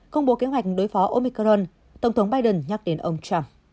công bố kế hoạch đối phó omicron tổng thống biden nhắc đến ông trump